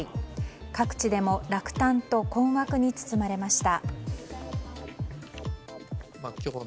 各地でも落胆と困惑に包まれました。